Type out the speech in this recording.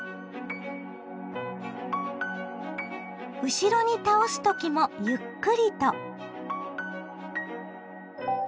後ろに倒す時もゆっくりと。